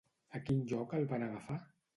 A quin lloc el van agafar?